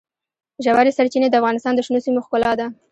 ژورې سرچینې د افغانستان د شنو سیمو ښکلا ده.